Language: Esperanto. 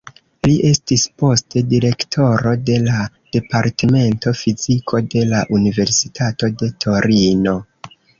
Li estis poste direktoro de la Departemento Fiziko de la Universitato de Torino.